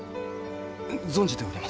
存じております。